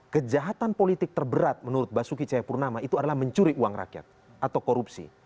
kejahatan politik terberat menurut basuki cahayapurnama itu adalah mencuri uang rakyat atau korupsi